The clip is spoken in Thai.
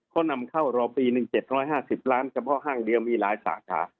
ขนนำเข้ารอปี๗๕๐ร้อนกับห้างเดียวมีหลายสาขา